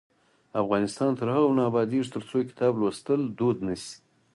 افغانستان تر هغو نه ابادیږي، ترڅو کتاب لوستل دود نشي.